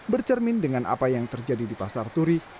bercermin dengan apa yang terjadi di pasar turi